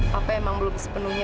papa emang belum sepenuhnya